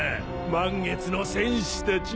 満月の戦士たち。